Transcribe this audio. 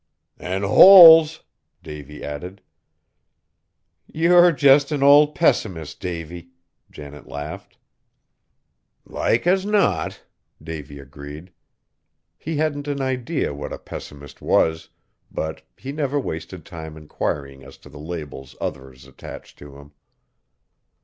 "An' holes!" Davy added. "You're just an old pessimist, Davy." Janet laughed. "Like as not!" Davy agreed. He hadn't an idea what a pessimist was, but he never wasted time inquiring as to the labels others attached to him.